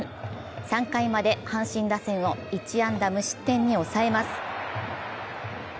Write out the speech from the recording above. ３回まで阪神打線を１安打無失点に抑えます。